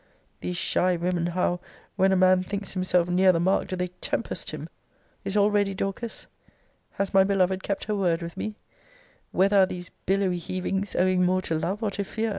These shy women, how, when a man thinks himself near the mark, do they tempest him! Is all ready, Dorcas? Has my beloved kept her word with me? Whether are these billowy heavings owing more to love or to fear?